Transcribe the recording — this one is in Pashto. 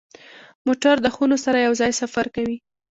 موټر د خونو سره یو ځای سفر کوي.